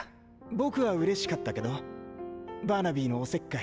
僕はうれしかったけどバーナビーのお節介。